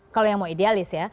kalau yang mau idealis ya